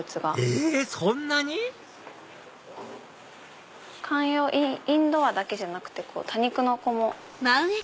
えっそんなに⁉観葉インドアだけじゃなくて多肉の子も。